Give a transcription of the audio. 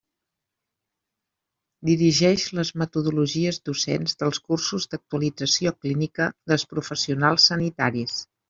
Dirigeix les metodologies docents dels cursos d'actualització clínica dels professionals sanitaris.